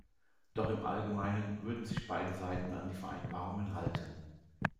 Doch im Allgemeinen würden sich beide Seiten an die Vereinbarungen halten.